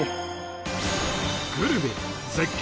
グルメ絶景